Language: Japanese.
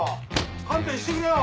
勘弁してくれよ。